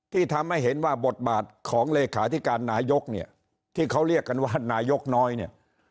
ที่ทำให้เห็นว่าบทบาทของเลขาธิการนายกเนี่ยที่เขาเรียกกันว่านายกน้อยเนี่ย